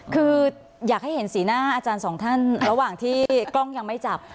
คืออยากให้เห็นสีหน้าอาจารย์สองท่านระหว่างที่กล้องยังไม่จับ